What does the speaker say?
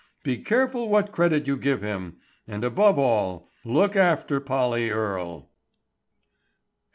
Be careful what credit you give him, and above all, look after Polly Earle."